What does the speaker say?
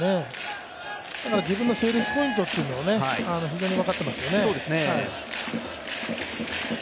自分のセールスポイントを非常に分かっていますよね。